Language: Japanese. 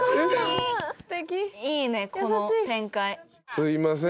すいません。